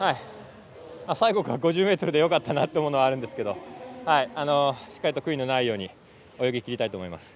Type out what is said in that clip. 最後が５０ｍでよかったと思うのはあるんですけどしっかりと悔いのないように泳ぎきりたいと思います。